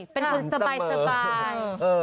เป็นคนสบาย